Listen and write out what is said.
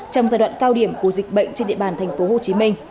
trong giai đoạn cao điểm của dịch bệnh trên địa bàn tp hcm